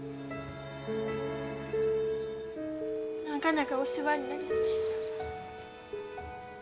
長々お世話になりました。